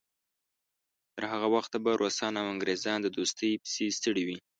تر هغه وخته به روسان او انګریزان د دوستۍ پسې ستړي وي.